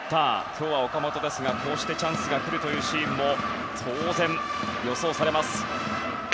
今日は岡本ですがチャンスが来るというシーンも当然、予想されます。